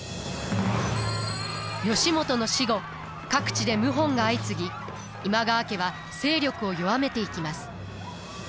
義元の死後各地で謀反が相次ぎ今川家は勢力を弱めていきます。